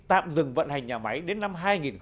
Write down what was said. tạm dừng vận hành nhà máy đến năm hai nghìn một mươi tám